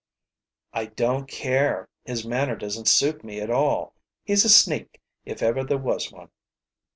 "I don't care his manner doesn't suit me at all. He's a sneak, if ever there was one."